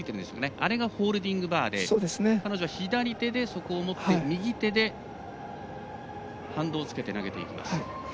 アレがホールディングバーで彼女は左手でそこを持って右手で反動をつけて投げていきます。